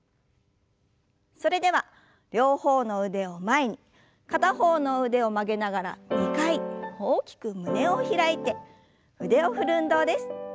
それでは両方の腕を前に片方の腕を曲げながら２回大きく胸を開いて腕を振る運動です。